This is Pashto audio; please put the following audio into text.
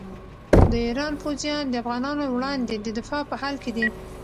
د ایران پوځیان د افغانانو وړاندې د دفاع په حال کې دي.